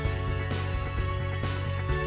menjadi cerita tersendiri